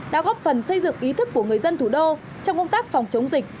đã góp phần xây dựng ý thức của người dân thủ đô trong công tác phòng chống dịch